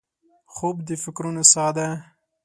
خوب د فکرونو سا ده